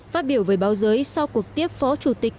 phát biểu với báo giới sau cuộc tiếp phó chủ tịch